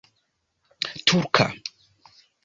turka